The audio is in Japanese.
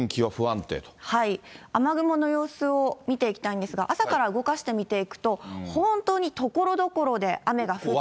雨雲の様子を見ていきたいんですが、朝から動かして見ていくと、本当にところどころで雨が降っていて。